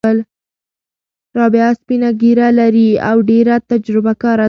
رابعه سپینه ږیره لري او ډېره تجربه کاره ده.